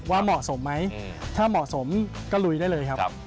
ว่าเหมาะสมไหมถ้าเหมาะสมก็ลุยได้เลยครับ